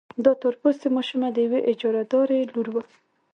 دا تور پوستې ماشومه د يوې اجارهدارې لور وه.